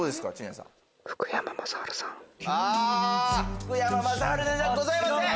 福山雅治さんじゃございません！